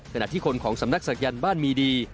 ขณะที่คนของสำนักศักยันต์บ้านมีดี